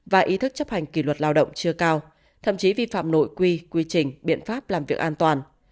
và ý thức chấp hành kỳ luật lao động chưa cao thậm chí vi phạm nội quy quy trình biện pháp làm việc an toàn